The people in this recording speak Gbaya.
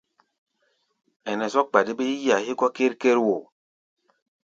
Ɛnɛ zɔ́k gba dé bé yí-a hégɔ́ ker-ker wo.